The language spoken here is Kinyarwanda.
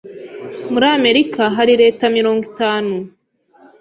Muri Amerika hari leta mirongo itanu.